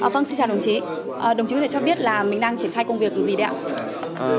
vâng xin chào đồng chí đồng chí có thể cho biết là mình đang triển khai công việc gì đấy ạ